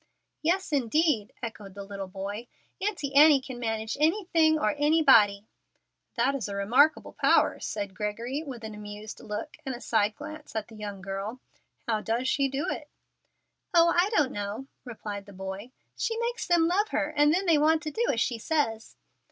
"Yes, indeed," echoed the little boy. "Aunt Annie can manage anything or anybody." "That is a remarkable power," said Gregory, with an amused look and a side glance at the young girl. "How does she do it?" "Oh, I don't know," replied the boy; "she makes them love her, and then they want to do as she says."